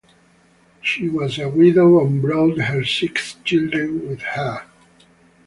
She was a widow and brought her six children with her.